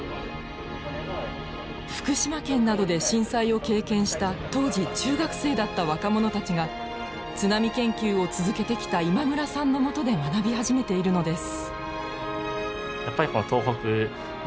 福島県などで震災を経験した当時中学生だった若者たちが津波研究を続けてきた今村さんのもとで学び始めているのです。